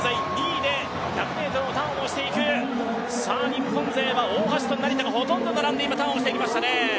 日本勢は大橋と成田がほぼ並んでターンをしていきましたね。